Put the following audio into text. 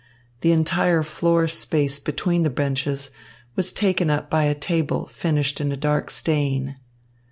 The entire floor space between the benches was taken up by a table finished in a dark stain.